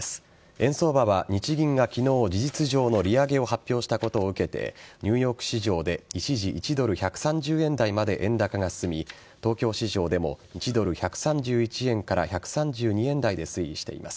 円相場は日銀が昨日事実上の利上げを発表したことを受けてニューヨーク市場で一時１ドル１３０円台まで円高が進み東京市場でも１ドル１３１円から１３２円台で推移しています。